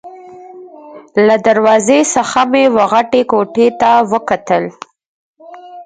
له دروازې څخه مې وه غټې کوټې ته وکتل.